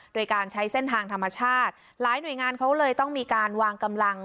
โดยการใช้เส้นทางธรรมชาติหลายหน่วยงานเขาเลยต้องมีการวางกำลัง